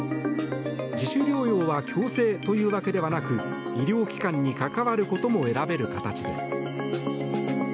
自主療養は強制というわけではなく医療機関に関わることも選べる形です。